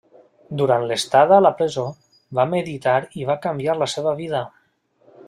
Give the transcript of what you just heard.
Durant l'estada a la presó, va meditar i va canviar la seva vida.